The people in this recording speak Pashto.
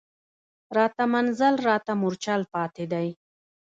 راته منزل راته مورچل پاتي دی